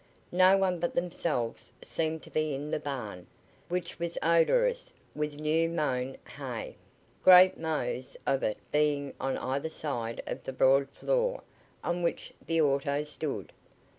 No one but themselves seemed to be in the barn, which was odorous with new mown hay, great mows of it being on either side of the broad floor on which the autos stood.